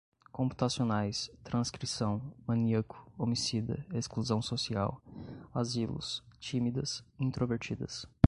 computacionais, transcrição, maníaco, homicida, exclusão social, asilos, tímidas, introvertidas